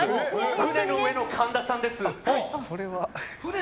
船の上の神田さんです。